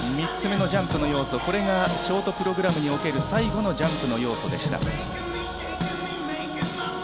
３つ目のジャンプの要素、これがショートプログラムにおける最後のジャンプの要素でした。